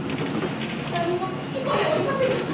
何も吹き込んでおりませぬ。